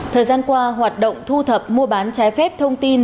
thời gian qua hoạt động thu thập mua bán trái phép thông tin